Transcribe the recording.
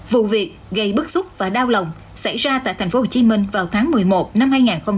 vụ việc gây bức xúc và đau lòng xảy ra tại thành phố hồ chí minh vào tháng một mươi một năm hai nghìn hai mươi một